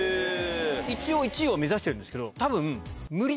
一応１位を目指してるんですけど。